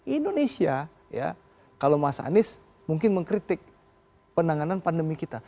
indonesia ya kalau mas anies mungkin mengkritik penanganan pandemi kita